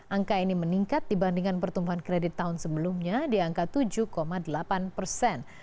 angka ini meningkat dibandingkan pertumbuhan kredit tahun sebelumnya di angka tujuh delapan persen